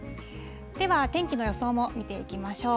では、天気の予想も見ていきましょう。